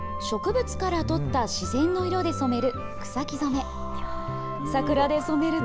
植物から取った自然の色で染める草木染め。